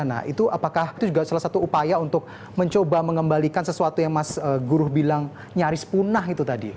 nah itu apakah itu juga salah satu upaya untuk mencoba mengembalikan sesuatu yang mas guru bilang nyaris punah itu tadi